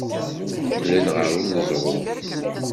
Qqlen ɣer uneẓruf.